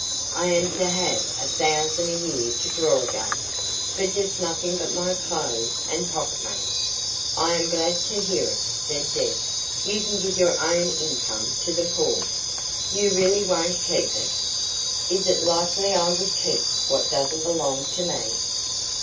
I am to have a thousand a year to draw against, for just nothing but my clothes and pocket money." "I am glad to hear it," said Deb. "You can give your own income to the poor." "You really won't keep it?" "Is it likely I would keep what doesn't belong to me?"